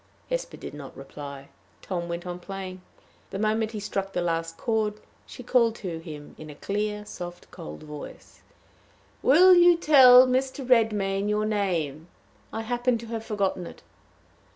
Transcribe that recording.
Hesper did not reply. Tom went on playing. The moment he struck the last chord, she called to him in a clear, soft, cold voice: "Will you tell Mr. Redmain your name? I happen to have forgotten it."